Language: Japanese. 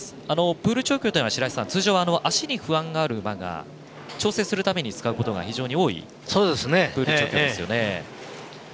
プール調教というのは通常、脚に不安のある馬が調整するために使うことが非常に多いプール調教ですよね。